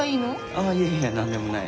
ああいやいや何でもない。